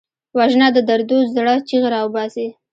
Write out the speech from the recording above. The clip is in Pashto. وژنه د دردو زړه چیغې راوباسي